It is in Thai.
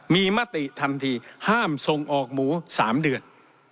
มีมติทันทีห้ามส่งออกหมู๓เดือน